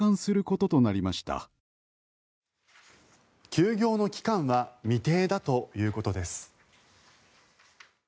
休業の期間は未定だということです。